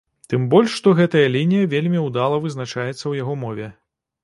Тым больш што гэтая лінія вельмі ўдала вызначаецца ў яго мове.